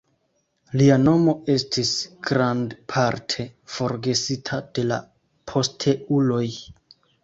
Lia nomo estis grandparte forgesita de la posteuloj.